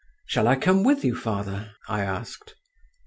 "Shall I come with you, father?" I asked.